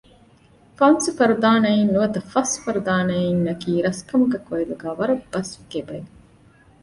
‘ފަންސަފުރަދާނައިން’ ނުވަތަ ފަސް ފުރަދާނައިން ނަކީ ރަސްކަމުގެ ކޮއިލުގައި ވަރަށް ބަސްވިކޭ ބައެއް